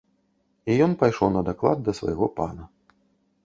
І ён пайшоў на даклад да свайго пана.